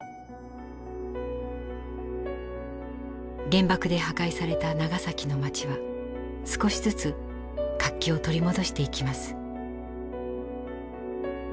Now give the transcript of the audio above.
原爆で破壊された長崎の町は少しずつ活気を取り戻していきます。